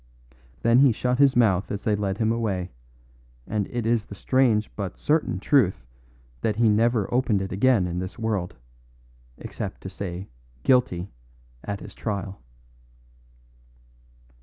Then he shut his mouth as they led him away, and it is the strange but certain truth that he never opened it again in this world, except to say "Guilty" at his trial.